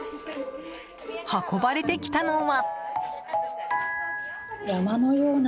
運ばれてきたのは。